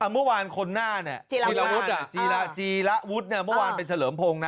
เมื่อวานคนหน้าเนี่ยจีระวุฒิเมื่อวานเป็นเฉลิมพงศ์นะ